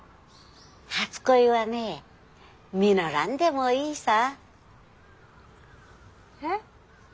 初恋はね実らんでもいいさぁ。え？